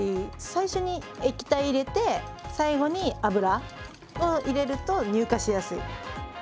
最初に液体入れて最後に油を入れると乳化しやすい。